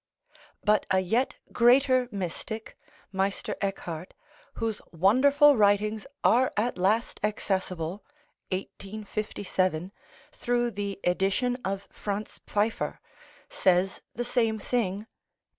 But a yet greater mystic, Meister Eckhard, whose wonderful writings are at last accessible (1857) through the edition of Franz Pfeiffer, says the same thing (p.